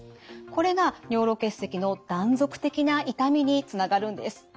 これが尿路結石の断続的な痛みにつながるんです。